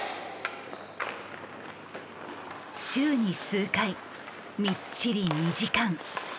週に数回みっちり２時間。